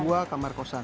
dua kamar kosan